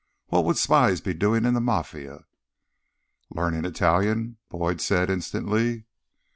What would spies be doing in the Mafia?" "Learning Italian," Boyd said instantly.